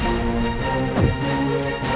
siapa dulu dong gurunya